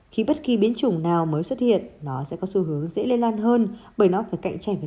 khi bất kỳ biến chủng nào mới xuất hiện nó sẽ có xu hướng dễ lây lan hơn bởi nó phải cạnh tranh với